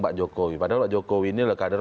pak jokowi padahal pak jokowi ini adalah kader